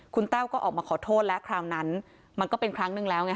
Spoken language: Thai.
คุณแต้วก็ออกมาขอโทษแล้วคราวนั้นมันก็เป็นครั้งนึงแล้วไง